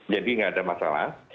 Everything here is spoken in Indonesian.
jadi nggak ada masalah